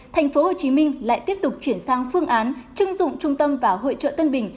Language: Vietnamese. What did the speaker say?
tp hcm lại tiếp tục chuyển sang phương án chứng dụng trung tâm và hội trợ tân bình